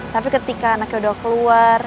tapi ketika anaknya udah keluar